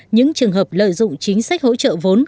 những trường hợp lợi dụng chính sách hỗ trợ vốn